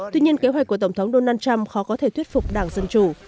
tuy nhiên kế hoạch của tổng thống donald trump khó có thể thuyết phục đảng dân chủ